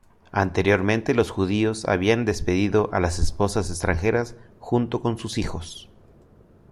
Anteriormente los judíos habían despedido a las esposas extranjeras junto con sus hijos.